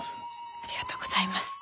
ありがとうございます。